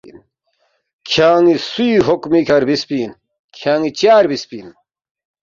”کھیان٘ی سُوی حکمی کھہ ربسفی اِن؟ کھیان٘ی چا ربسفی اِن؟“